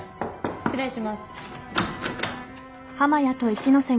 ・・失礼します。